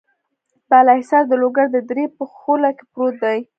بالا حصار د لوګر د درې په خوله کې پروت دی.